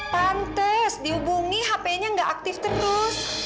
pantes dihubungi hp nya nggak aktif terus